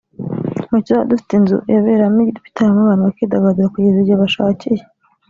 mugihe tuzaba dufite inzu yaberamo ibitaramo abantu bakidagadura kugeza igihe bashakiye